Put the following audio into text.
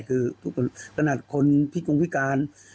คือทุกคนขนาดคนพิกุงพิการ